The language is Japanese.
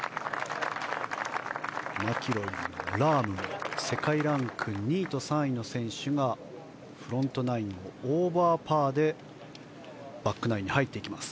マキロイ、ラームと世界ランク２位と３位の選手がフロントナインをオーバーパーでバックナインに入っていきます。